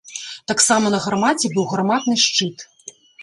Таксама на гармаце быў гарматны шчыт.